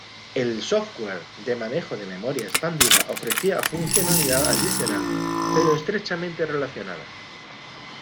El software de manejo de memoria expandida ofrecía funcionalidad adicional pero estrechamente relacionada.